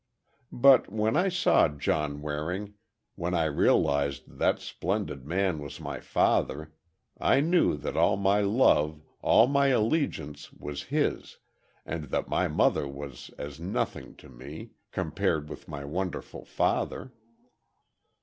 "But when I saw John Waring—when I realized that splendid man was my father—I knew that all my love, all my allegiance was his, and that my mother was as nothing to me, compared with my wonderful father!